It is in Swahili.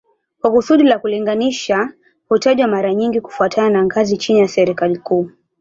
Kwa kusudi la kulinganisha hutajwa mara nyingi kufuatana na ngazi chini ya serikali kuu